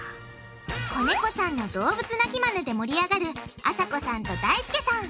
小猫さんの動物鳴きマネで盛り上がるあさこさんとだいすけさん。